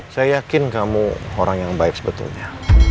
saya yakin kamu orang yang baik sebetulnya